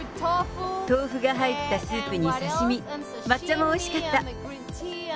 豆腐が入ったスープに刺身、抹茶もおいしかった。